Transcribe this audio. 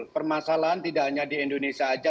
permasalahan tidak hanya di indonesia saja